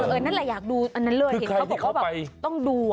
เออนั่นแหละอยากดูอันนั้นเลยเขาบอกว่าต้องดู